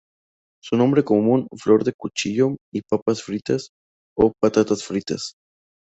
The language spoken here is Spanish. Su nombre común: "flor del cuchillo" y "papas fritas" o "patatas fritas".